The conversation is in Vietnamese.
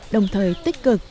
đồng thời tích cực